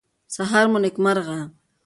سهار مو نیکمرغه